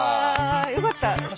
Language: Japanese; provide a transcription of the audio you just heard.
よかった。